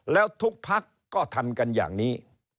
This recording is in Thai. แล้วทุกพักก็ทำกันอย่างนี้